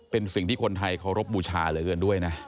เป็นสิ่งที่คนไทยเคารพบูชาเหลือเกินด้วยนะ